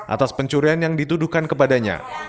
atas pencurian yang dituduhkan kepadanya